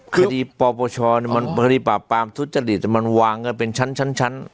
คติป่อประชานี่มันคลิปปาบตลก็จะเหลือแต่มันวางกันเป็นชั้นชั้นชั้น